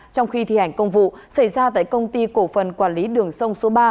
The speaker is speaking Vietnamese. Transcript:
trong khi thi hành công vụ xảy ra tại công ty cổ phần quản lý đường sông số ba